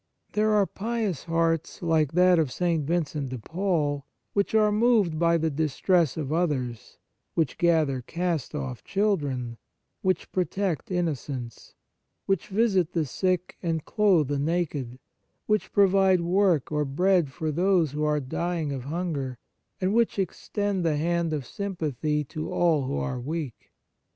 There are pious hearts, like that of St. Vincent de Paul, which are moved by the distress of others, which gather cast off children, which protect inno cence, which visit the sick and clothe the naked, which provide work or bread for those who are dying of hunger, and which extend the hand of sympathy to all who are weak.